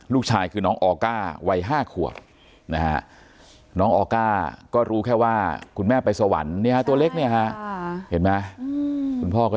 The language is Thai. ลูกชายคือน้องออ้อก้าวัย๕ขวบน้องออ้วก้าก็รู้แค่ว่าคุณแม่ไปสวรรค์นะคะตัวเล็ก